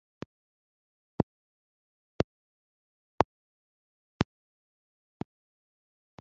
Yashyizwe mu bitaro nyuma yo kurya imbuto gusa ukwezi.